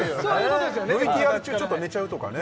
ＶＴＲ中ちょっと寝ちゃうとかね